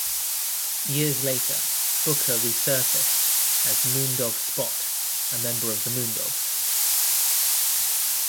Years later, Booker resurfaced as "Moondog Spot", a member of The Moondogs.